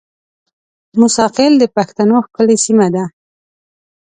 موساخېل د بښتنو ښکلې سیمه ده